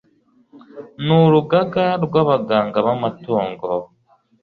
n urugaga rw abaganga b amatungo